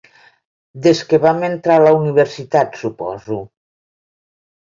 Des que vam entrar a la universitat, suposo.